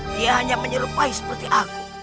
dia hanya menyerupai seperti aku